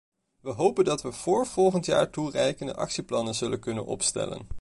We hopen dat we vóór volgend jaar toereikende actieplannen zullen kunnen opstellen.